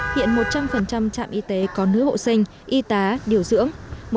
hiện một trăm linh trạm y tế có nữ hộ sinh y tá điều dưỡng